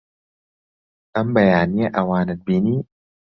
ئەم بەیانییە ئەوانت بینی؟